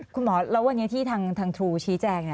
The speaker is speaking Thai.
คุณหมอแล้ววันนี้ที่ทางครูชี้แจง